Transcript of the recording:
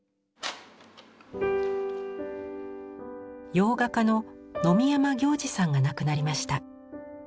洋画家の野見山暁治さんが亡くなりました。